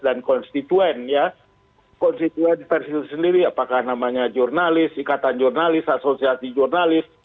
dan konstituen ya konstituen pers itu sendiri apakah namanya jurnalis ikatan jurnalis asosiasi jurnalis